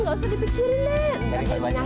gak usah dipikirin